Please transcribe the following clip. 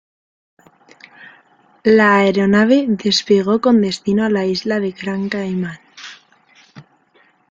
La aeronave despegó con destino a la isla de Gran Caimán.